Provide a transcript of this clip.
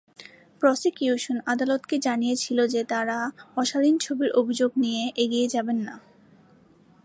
Prosecution আদালতকে জানিয়েছিল যে তারা অশালীন ছবির অভিযোগ নিয়ে এগিয়ে যাবে না।